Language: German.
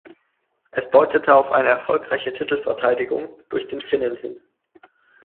Es deutete auf eine erfolgreiche Titelverteidigung durch den Finnen hin.